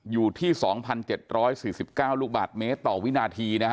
อยู่ที่๒๗๔๙ลูกบาทเมตรต่อวินาทีนะฮะ